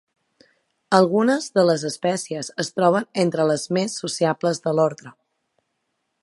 Algunes de les espècies es troben entre les més sociables de l'ordre.